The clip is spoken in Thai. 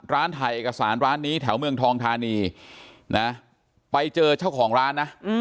ถ่ายเอกสารร้านนี้แถวเมืองทองทานีนะไปเจอเจ้าของร้านนะ